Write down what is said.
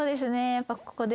やっぱここで。